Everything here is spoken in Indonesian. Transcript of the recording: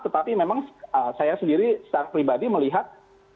tetapi memang saya sendiri secara pribadi melihat